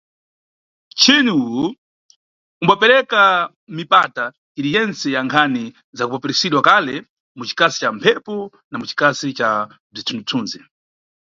Mchini uyu umbapereka mipata iri yentse ya nkhani za kupeperusidwa kale, mu cikasi ca mphepo na mucikasi ca bzithunzi-thunzi.